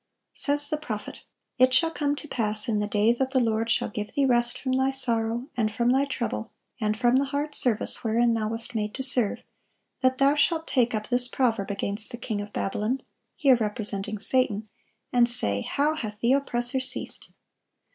Says the prophet: "It shall come to pass in the day that the Lord shall give thee rest from thy sorrow, and from thy trouble, and from the hard service wherein thou wast made to serve, that thou shalt take up this proverb against the king of Babylon [here representing Satan], and say, How hath the oppressor ceased!...